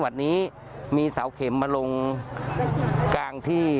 ว่ามันเกิดอะไรขึ้น